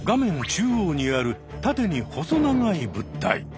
中央にある縦に細長い物体。